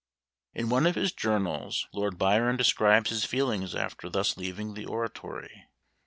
In one of his journals, Lord Byron describes his feelings after thus leaving the oratory.